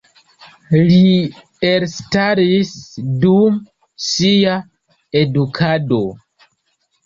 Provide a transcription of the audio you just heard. Li elstaris dum sia edukado.